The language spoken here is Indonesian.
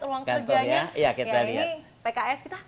ruang kerjanya ya kita lihat pks kita